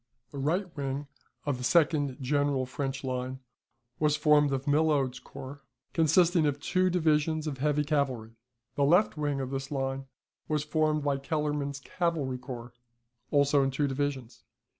The right wing of the second general French line was formed of Milhaud's corps, consisting of two divisions of heavy cavalry. The left wing of this line was formed by Kellerman's cavalry corps, also in two divisions.